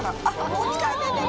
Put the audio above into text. こっちから出てる！